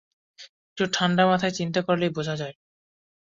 একটু ঠাণ্ডা মাথায় চিন্তা করলেই বোঝা যায়।